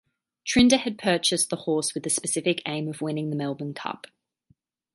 Trinder had purchased the horse with the specific aim of winning the Melbourne Cup.